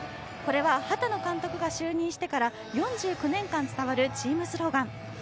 これは畑野監督が就任してから４９年間伝わるチームスローガン。